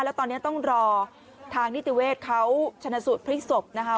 แล้วตอนนี้ต้องรอทางนิติเวศเขาชนะสูตรพลิกศพนะคะ